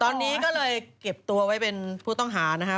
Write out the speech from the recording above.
ตอนนี้ก็เลยเก็บตัวไว้เป็นผู้ต้องหานะคะ